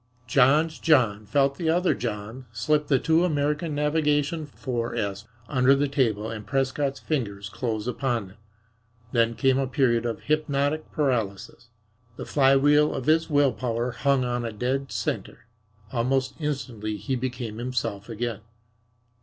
John's John felt the other John slip the two American Navigation 4s under the table and Prescott's fingers close upon them. Then came a period of hypnotic paralysis. The flywheel of his will power hung on a dead centre. Almost instantly he became himself again.